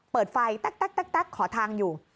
เปิดไฟขอทางอยู่